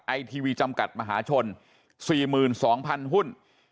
ไอทีวีจำกัดมหาชนสี่หมื่นสองพันหุ้น